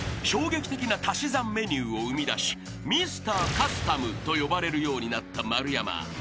［衝撃的な足し算メニューを生み出しＭｒ．カスタムと呼ばれるようになった丸山］